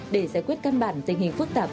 để giải quyết căn bản tình hình phức tạp